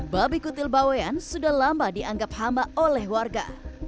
babi kutil bawean sudah lama dianggap hama oleh warga